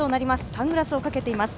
サングラスをかけています。